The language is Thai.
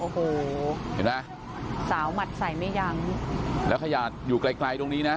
เห็นหรือเปล่าสาวหมาศใส่ไม่ยังแล้วขยายาอยู่ใกล้ใกล้ตรงนี้นะ